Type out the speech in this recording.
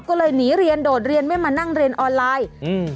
ก็เลยหนีเรียนโดดเรียนไม่มานั่งเรียนออนไลน์อืม